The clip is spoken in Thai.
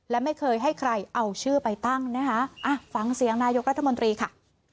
และไม่เคยให้ใครเอาชื่อไปตั้งนะคะฟังเสียงนายกรัฐมนตรีค่ะ